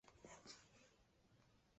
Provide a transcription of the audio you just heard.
但是他人认为此是误记。